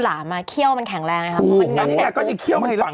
แบบไม่ให้มันกัดแต่เขี้ยวอ่ะ